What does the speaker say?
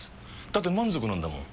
だって満足なんだもん。